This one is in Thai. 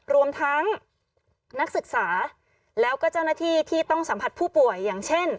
รวมทั้งนักศึกษาแล้วก็เจ้าหน้าที่ที่ต้องสัมผัสผู้ป่วยอย่างเช่น